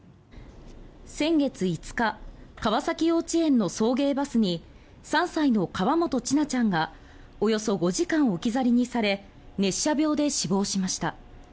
先月５日川崎幼稚園の送迎バスに３歳の河本千奈ちゃんがおよそ５時間置き去りにされ熱射病で死亡しました。